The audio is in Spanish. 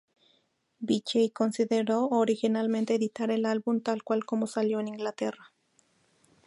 Vee-Jay consideró originalmente editar el álbum tal cual como salió en Inglaterra.